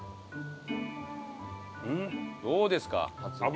どうですか？